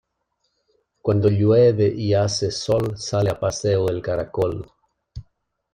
Cuando llueve y hace sol sale a paseo el caracol.